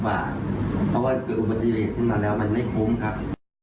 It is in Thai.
เพราะว่าเกิดอุบัติเหตุขึ้นมาแล้วมันไม่คุ้มครับ